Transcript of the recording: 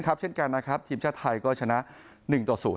ครับเช่นกันนะครับทีมชาติไทยก็ชนะหนึ่งต่อศูนย์